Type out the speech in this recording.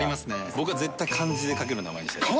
僕は絶対漢字で書ける名前にしたいです。